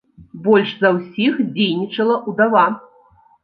Больш за ўсіх дзейнічала ўдава.